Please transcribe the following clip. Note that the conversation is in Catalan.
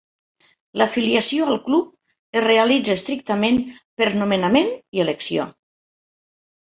L'afiliació al club es realitza estrictament per nomenament i elecció.